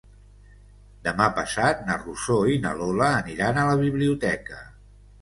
Demà passat na Rosó i na Lola aniran a la biblioteca.